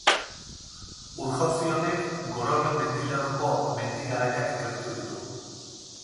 Ur-jauzi honek Gorobel mendilerroko mendi garaiak gertu ditu.